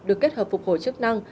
được kết hợp phục hồi chức năng